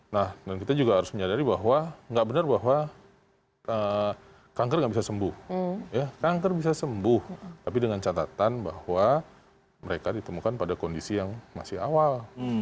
nah dan kita juga harus menyadari bahwa nggak benar bahwa kanker nggak bisa sembuh kanker bisa sembuh tapi dengan catatan bahwa mereka ditemukan pada kondisi yang masih awal